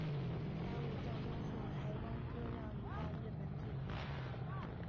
甲午战争后台湾割让予大日本帝国。